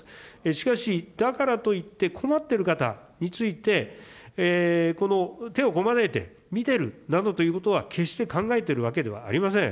しかし、だからといって困っている方について、手をこまねいて見てるなどということは決して考えてるわけではありません。